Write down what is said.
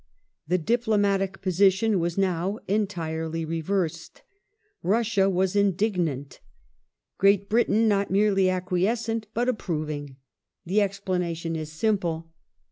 The diplomatic position was now entirely reversed : Russia was indignant ; Great Britain not merely acquiescent but approving. The explanation is simple.